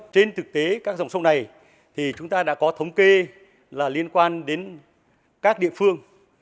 trên thực tế các dòng sông này thì chúng ta đã có thống kê là liên quan đến các địa phương